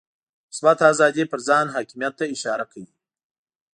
مثبته آزادي پر ځان حاکمیت ته اشاره کوي.